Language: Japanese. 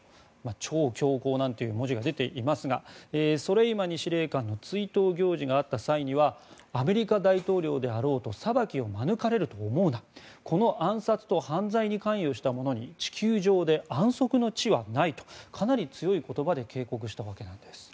超強硬なんていう文字が出ていますがソレイマニ司令官の追悼行事があった際にはアメリカ大統領であろうと裁きを免れると思うなこの暗殺と犯罪に関与した者に地球上で安息の地はないとかなり強い言葉で警告したわけです。